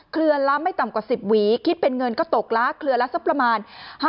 ละไม่ต่ำกว่า๑๐หวีคิดเป็นเงินก็ตกละเครือละสักประมาณ